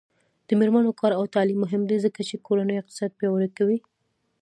د میرمنو کار او تعلیم مهم دی ځکه چې کورنۍ اقتصاد پیاوړی کوي.